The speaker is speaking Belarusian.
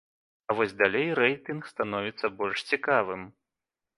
А вось далей рэйтынг становіцца больш цікавым.